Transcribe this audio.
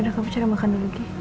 udah kamu cari makan dulu gi